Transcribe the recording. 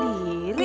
aduh apa ini